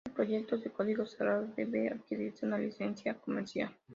Para proyectos de código cerrado, debe adquirirse una licencia comercial.